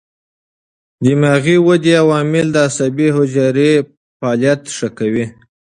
دماغي ودې عوامل د عصبي حجرو فعالیت ښه کوي.